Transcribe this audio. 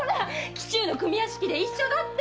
紀州の組屋敷で一緒だった！